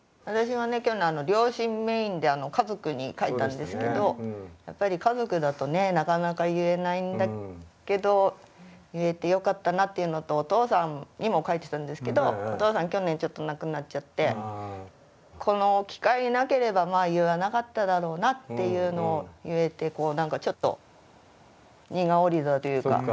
私は去年両親メインで家族に書いたんですけどやっぱり家族だとねなかなか言えないんだけど言えてよかったなっていうのとお父さんにも書いてたんですけどお父さん去年ちょっと亡くなっちゃってこの機会なければ言わなかっただろうなっていうのを言えてこう何かちょっと荷が下りたというか。